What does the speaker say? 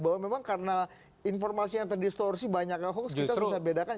bahwa memang karena informasi yang terdistorsi banyaknya hoax kita bisa bedakan